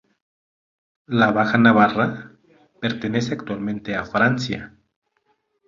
La Baja Navarra pertenece actualmente a Francia.